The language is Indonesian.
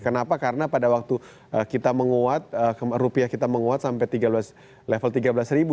kenapa karena pada waktu kita menguat rupiah kita menguat sampai level tiga belas ribu